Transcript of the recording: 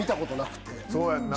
そうやんな。